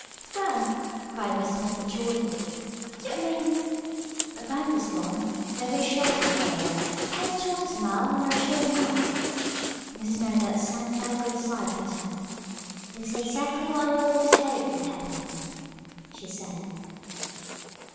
"Frank!" cried Mrs. Merideth, joyfully, "you don't mean " But Frank was gone. Over his shoulder, however, he had tossed a smile and a reassuring nod. Mrs. Merideth sank back with a sigh of content. "It's exactly what I always hoped would happen," she said.